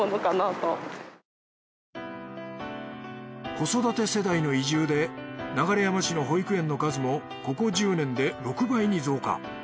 子育て世代の移住で流山市の保育園の数もここ１０年で６倍に増加。